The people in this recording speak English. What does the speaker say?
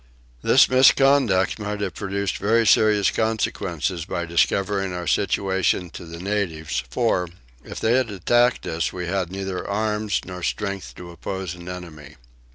This misconduct might have produced very serious consequences by discovering our situation to the natives for, if they had attacked us, we had neither arms nor strength to oppose an enemy.